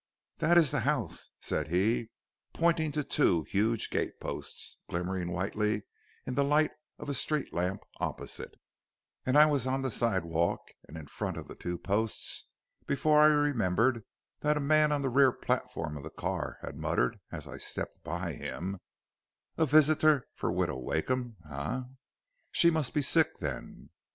"'That is the house,' said he, pointing to two huge gate posts glimmering whitely in the light of a street lamp opposite, and I was on the sidewalk and in front of the two posts before I remembered that a man on the rear platform of the car had muttered as I stepped by him: 'A visitor for Widow Wakeham, eh; she must be sick, then!'